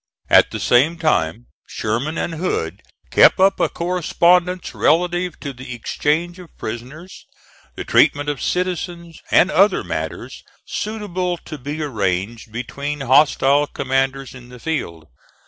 At the same time Sherman and Hood kept up a correspondence relative to the exchange of prisoners, the treatment of citizens, and other matters suitable to be arranged between hostile commanders in the field.